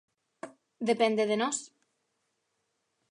Depende de nós.